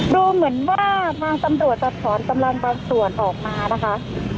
ดูเหมือนว่าทางตำรวจจะถอนกำลังบางส่วนออกมานะคะ